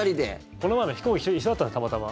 この前も飛行機一緒だったんです、たまたま。